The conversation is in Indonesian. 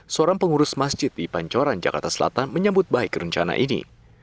seorang pengurus masjid di pancoran jakarta selatan menyambut baik rencana ini